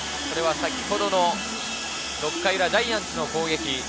これは先ほどの６回裏、ジャイアンツの攻撃。